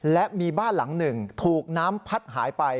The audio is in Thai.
และมีบ้านหลังหนึ่งถูกน้ำพัดหายไป